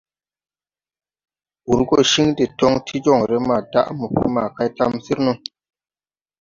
Ur gɔ ciŋ de ton ti joŋre ma daʼ mɔpɔ ma kay tamsir no.